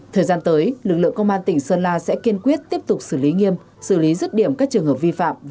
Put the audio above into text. thời gian tới lực lượng công an tỉnh sơn la sẽ kiên quyết tiếp tục xử lý nghiêm xử lý rứt điểm các trường hợp vi phạm